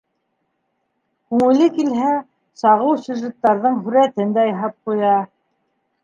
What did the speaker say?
Күңеле килһә, сағыу сюжеттарҙың һүрәтен дә яһап ҡуя.